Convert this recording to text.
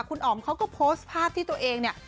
คุณอ๋อมเขาก็โพสต์ภาพที่ตัวเองเนี่ย